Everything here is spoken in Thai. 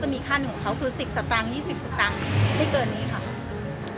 ไม่เกินนี้ค่ะ